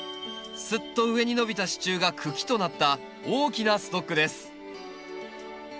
すっと上に伸びた支柱が茎となった大きなストックです。